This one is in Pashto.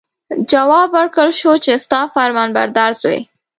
جواب ورکړل شو چې ستا فرمانبردار زوی.